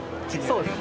そうです。